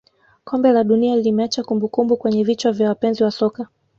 kombe la dunia limeacha kumbukumbu kwenye vichwa vya wapenzi wa soka